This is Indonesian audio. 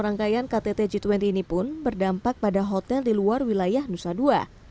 kedatangan puluhan ribu tamu delegasi dalam rangkaian ktt g dua puluh ini pun berdampak pada hotel di luar wilayah nusa dua